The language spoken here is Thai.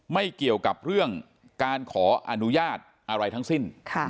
ไม่เกี่ยวกับเรื่องการขออนุญาตอะไรทั้งสิ้น